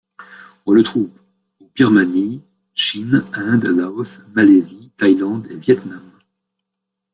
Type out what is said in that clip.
On le trouve au Birmanie, Chine, Inde, Laos, Malaisie, Thaïlande, et Vietnam.